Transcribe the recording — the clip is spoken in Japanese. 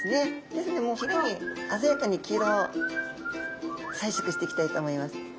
ですのでもうひれに鮮やかに黄色を彩色していきたいと思います。